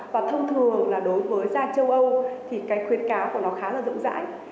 và thông thường là đối với gia châu âu thì cái khuyến cáo của nó khá là rộng rãi